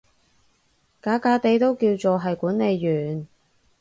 假假地都叫做係管理員